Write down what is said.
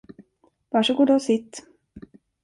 Varsågoda och sitt.